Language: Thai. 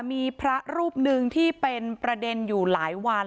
มีพระรูปหนึ่งที่เป็นประเด็นอยู่หลายวัน